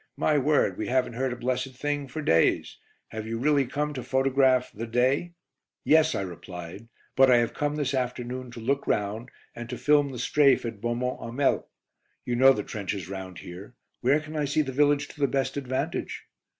My word, we haven't heard a blessed thing for days. Have you really come to photograph 'The Day'?" "Yes," I replied. "But I have come this afternoon to look round, and to film the 'strafe' at Beaumont Hamel. You know the trenches round here: where can I see the village to the best advantage?"